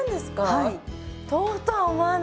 はい。